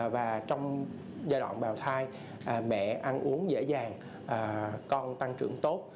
và trong giai đoạn bào thai mẹ ăn uống dễ dàng con tăng trưởng tốt